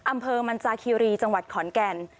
อำเภอมันจาคีรีจังหวัดขอนแก่น